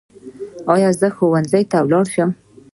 ایا زه ښوونځي ته لاړ شم؟